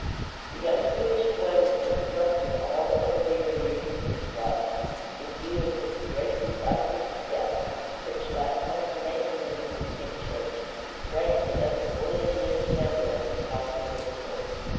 The young Jewish boy was instructed all the earlier years of his life in view of this great decisive step, which, like confirmation in the Christian Church, ranked him as a fully admitted member of the house of Israel.